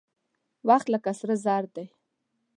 وخت لکه سره زر دى.